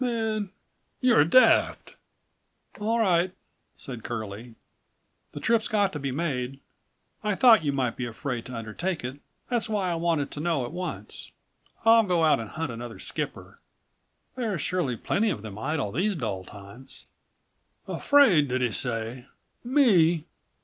Man, you're daft." "All right," said Curlie; "the trip's got to be made. I thought you might be afraid to undertake it; that's why I wanted to know at once. I'll go out and hunt another skipper. There's surely plenty of them idle these dull times." "Hafraid, did 'e say! Me!